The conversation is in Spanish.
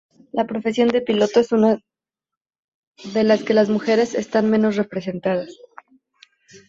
La profesión de piloto es una de las que las mujeres están menos representadas.